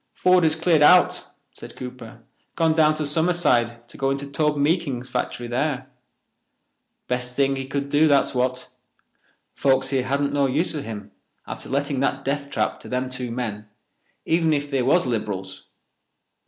"Ford has cleared out," said Cooper, "gone down to Summerside to go into Tobe Meekins's factory there. Best thing he could do, that's what. Folks here hadn't no use for him after letting that death trap to them two men—even if they was Lib'rals.